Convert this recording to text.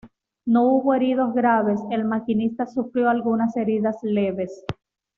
No hubo heridos graves, el maquinista sufrió algunas heridas leves.